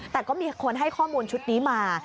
แต่ก็มีคนให้ข้อมูลชุดนี้มา